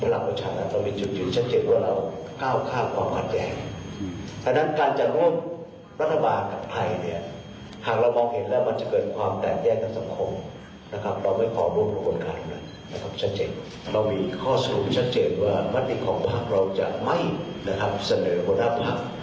เรามีข้อสรุปชัดเจนว่าวัตติของพระภักดิ์เราจะไม่เสนอผลัพธ์